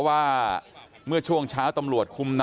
แต่ว่าวินนิสัยดุเสียงดังอะไรเป็นเรื่องปกติอยู่แล้วครับ